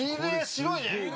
白いね。